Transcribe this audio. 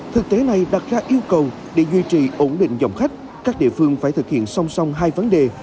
thực tế này đặt ra yêu cầu để duy trì ổn định dòng khách các địa phương phải thực hiện song song hai vấn đề